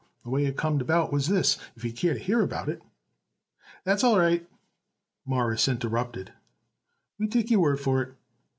The way it come about was this, if you'd care to hear about it." "That's all right," Morris interrupted. "We take your word for it.